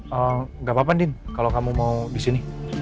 gak apa apa din kalo kamu mau disini